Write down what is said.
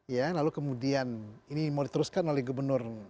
ya lalu kemudian ini mau diteruskan oleh gubernur